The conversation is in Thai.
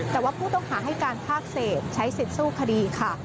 แต่ว่าผู้ต้องหาให้การภาคเศษใช้สิทธิ์สู้คดีค่ะ